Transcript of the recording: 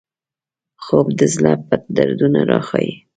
خوب د زړه پټ دردونه راښيي